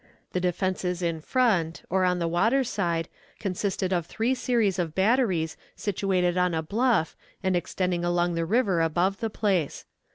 The defenses in front, or on the water side, consisted of three series of batteries situated on a bluff and extending along the river above the place.